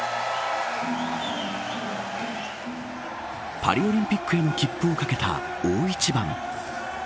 パリオリンピックへの切符を懸けた大一番。